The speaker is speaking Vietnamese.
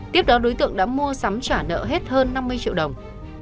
tiếp đó đối tượng đã mua sắm trả nợ hết hơn năm mươi triệu đồng